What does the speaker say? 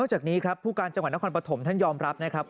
จากนี้ครับผู้การจังหวัดนครปฐมท่านยอมรับนะครับ